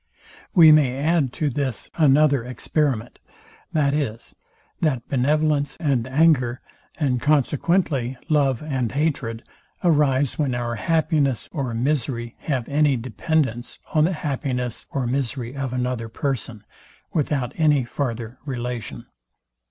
We may add to this another experiment, viz, that benevolence and anger, and consequently love and hatred, arise when our happiness or misery have any dependance on the happiness or misery of another person, without any farther relation.